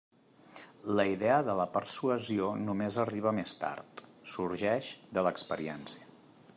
La idea de la persuasió només arriba més tard; sorgeix de l'experiència.